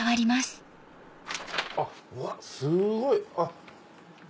あっうわっすごい。